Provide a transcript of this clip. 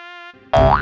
jangan jangan jangan